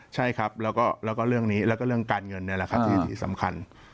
ใช่ครับแล้วก็เรื่องการเงินเนี้ยแหละครับที่สำคัญ